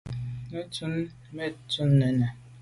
Nu dun tu i me dut nène.